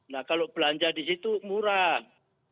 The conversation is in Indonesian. nah kalau belanja di situ murah